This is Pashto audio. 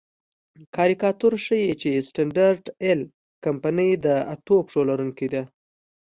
کاریکاتور ښيي چې سټنډرډ آیل کمپنۍ د اتو پښو لرونکې ده.